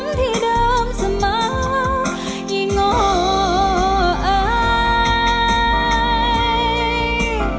ที่เดิมสม่ำยังโง่อ้าย